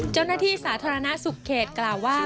เจ้าหน้าที่สาธารณสุขเขตกล่าวว่า